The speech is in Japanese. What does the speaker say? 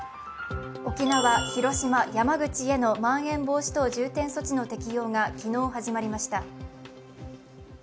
沖縄、広島、山口へのまん延防止等重点措置の適用が昨日始まりました。